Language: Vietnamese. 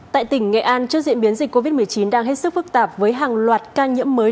tại tỉnh nghệ an trước diễn biến dịch covid một mươi chín đang hết sức phức tạp với hàng loạt ca nhiễm mới